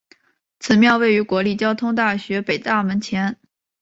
此庙位于国立交通大学北大门前。